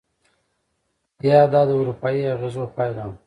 یا دا د اروپایي اغېزو پایله وه؟